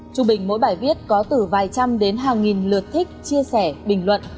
trung bình mỗi bài viết có từ vài trăm đến hàng nghìn lượt thích chia sẻ bình luận